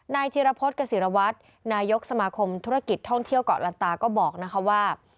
นายธิรพสกษิรวรรษนายกสมคมธุรกิจท่องเที่ยวก่อนลันตาก็บอกว่า